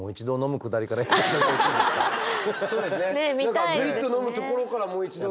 何かグイッと飲むところからもう一度。